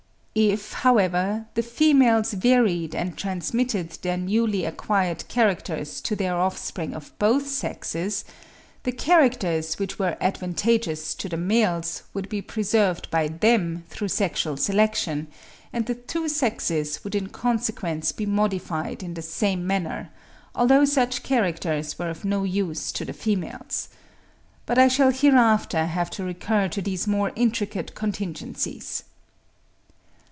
If, however, the females varied and transmitted their newly acquired characters to their offspring of both sexes, the characters which were advantageous to the males would be preserved by them through sexual selection, and the two sexes would in consequence be modified in the same manner, although such characters were of no use to the females: but I shall hereafter have to recur to these more intricate contingencies.